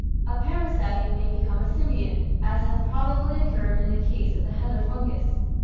A parasite may become a symbion, as has probably occurred in the case of the heather fungus.